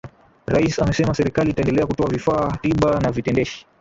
Rais amesema Serikali itaendelea kutoa vifaa tiba na vitendeshi